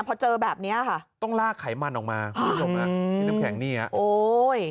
พอเจอแบบเนี้ยค่ะต้องลากไขมันออกมาอือน้ำแข็งนี่น่ะโอ้ย